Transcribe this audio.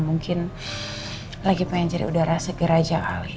mungkin lagi pengen cari udara segera aja ali